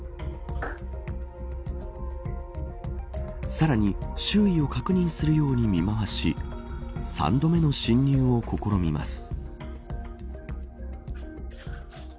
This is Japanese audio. さらに周囲を確認するように見まわし３度目の侵入を試みます。